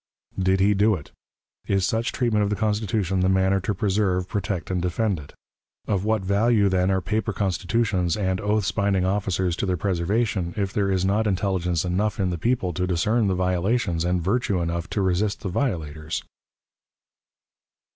Did he do it? Is such treatment of the Constitution the manner to preserve, protect, and defend it? Of what value, then, are paper constitutions and oaths binding officers to their preservation, if there is not intelligence enough in the people to discern the violations, and virtue enough to resist the violators?